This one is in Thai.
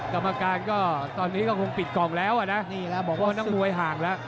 กรรมการก็ตอนนี้ก็คงปิดกล่องแล้วน้องมวยห่างแล้ว